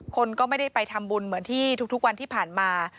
คนก็ไม่ได้ไปทำบุญเหมือนที่ทุกวันที่ผ่านมา